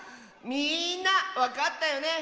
みんなわかったよね。ね！